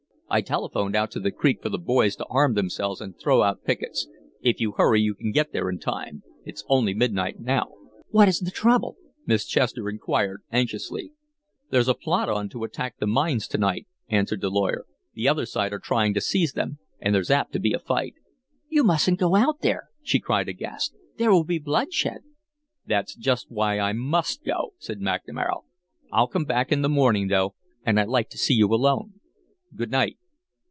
"I telephoned out to the Creek for the boys to arm themselves and throw out pickets. If you hurry you can get there in time. It's only midnight now." "What is the trouble?" Miss Chester inquired, anxiously. "There's a plot on to attack the mines to night," answered the lawyer. "The other side are trying to seize them, and there's apt to be a fight." "You mustn't go out there," she cried, aghast. "There will be bloodshed." "That's just why I MUST go," said McNamara. "I'll come back in the morning, though, and I'd like to see you alone. Good night!"